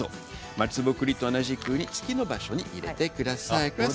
松ぼっくりと同じように次の場所に入れてください。